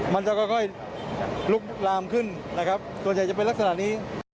มันจะค่อยลุกลามขึ้นนะครับส่วนใหญ่จะเป็นลักษณะนี้